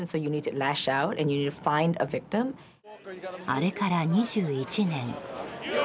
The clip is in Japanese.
あれから２１年。